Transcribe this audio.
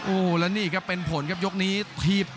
โอ้โหแล้วนี่ครับเป็นผลครับยกนี้ถีบ